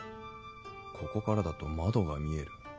ここからだと窓が見える。